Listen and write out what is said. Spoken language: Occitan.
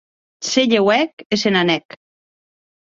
Se lheuèc e se n'anèc.